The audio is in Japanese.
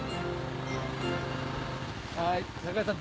はい酒井さん